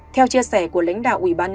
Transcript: theo chia sẻ của lãnh đạo ubnd